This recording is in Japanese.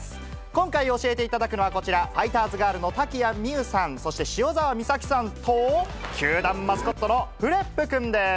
今回、教えていただくのはこちら、ファイターズガールの滝谷美夢さん、そして、塩澤美咲さんと、球団マスコットのフレップくんです。